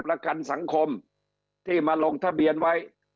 ประกันสังคมที่มาลงทะเบียนไว้